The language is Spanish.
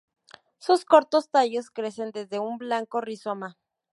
Sus cortos tallos crecen desde un blanco rizoma.